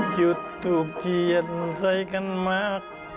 จุดทูบเทียนใส่กันมาก